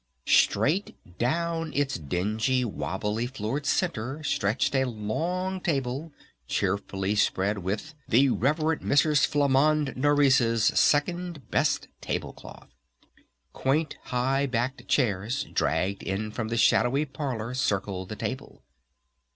Straight down its dingy, wobbly floored center stretched a long table cheerfully spread with "the Rev. Mrs. Flamande Nourice's" second best table cloth. Quaint high backed chairs dragged in from the shadowy parlor circled the table.